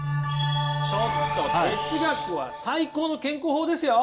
ちょっと哲学は最高の健康法ですよ！